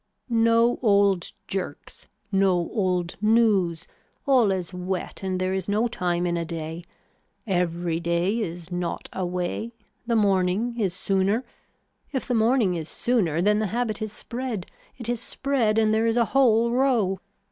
No old jerks, no old news, all is wet and there is no time in a day. Every day is not away. The morning is sooner. If the morning is sooner then the habit is spread, it is spread and there is a whole row.